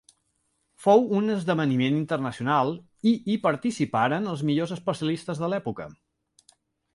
Fou un esdeveniment internacional i hi participaren els millors especialistes de l'època.